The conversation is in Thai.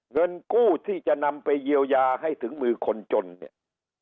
เงินกู้ที่จะนำไปเยียวยาให้ถึงมือคนจนเนี่ย